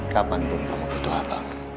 kapan pun kamu butuh abang